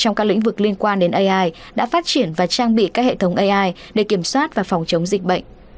những nỗ lực lớn tới nhỏ trong các lĩnh vực liên quan đến ai đã phát triển và trang bị các hệ thống ai để kiểm soát và phòng chống dịch bệnh